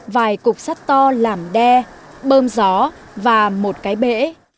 vài cục sắt to làm đe bơm gió và một cái bể